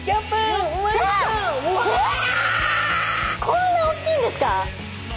こんなおっきいんですか？